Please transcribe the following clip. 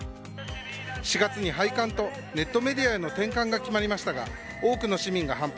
４月に廃刊とネットメディアへの転換が決まりましたが多くの市民が反発。